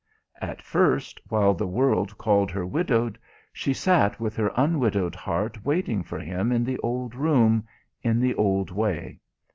At first while the world called her widowed she sat with her unwidowed heart waiting for him in the old room, in the old way.